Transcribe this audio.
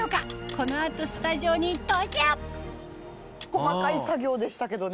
この後スタジオに登場細かい作業でしたけどね。